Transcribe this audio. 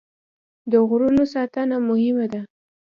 د غرونو ساتنه مهمه ده.